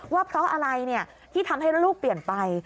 ว่าเพราะอะไรที่ทำให้ลูกเปลี่ยนไป